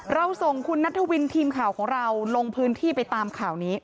เราส่งคุณนัทวินทีมข่าวของเราลงพื้นที่ไปตามข่าวนี้